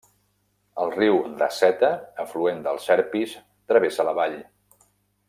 El riu de Seta, afluent del Serpis, travessa la vall.